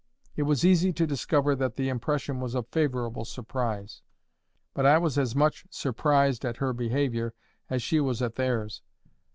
It was easy to discover that the impression was of favourable surprise. But I was as much surprised at her behaviour as she was at theirs.